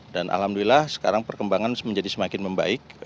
dan alhamdulillah sekarang perkembangan menjadi semakin membaik